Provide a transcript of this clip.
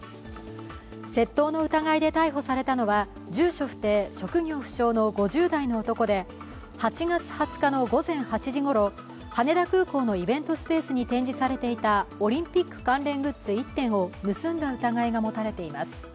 窃盗の疑いで逮捕されたのは住所不定・職業不詳の５０代の男で８月２０日の午前８時ごろ、羽田空港のイベントスペースに展示されていたオリンピック関連グッズ１点を盗んだ疑いが持たれています。